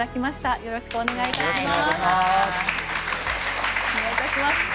よろしくお願いします。